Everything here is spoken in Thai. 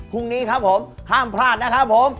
พรุ่งนี้ครับผมห้ามพลาดนะครับผม